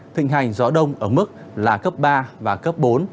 thịnh hành gió đông ở mức là cấp ba bốn